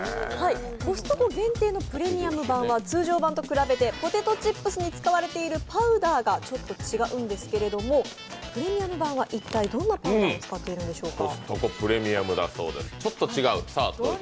コストコ限定のプレミアム版は通常版と比べてポテトチップスに使われているパウダーがちょっと違うんですけれども、プレミアム版はどんなパウダーを使っているのでしょうか。